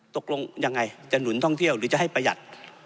ตกลงยังไงจะหนุนท่องเที่ยวหรือจะให้ประหยัด